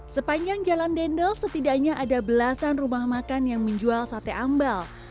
sepanjang jalan dendel setidaknya ada belasan rumah makan yang menjual sate ambal